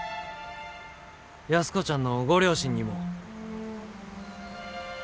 安子ちゃんのご両親にも。